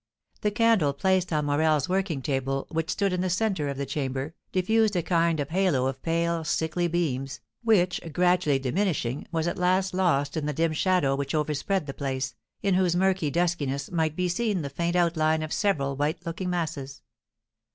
The candle placed on Morel's working table, which stood in the centre of the chamber, diffused a kind of halo of pale, sickly beams, which, gradually diminishing, was at last lost in the dim shadow which overspread the place, in whose murky duskiness might be seen the faint outline of several white looking masses.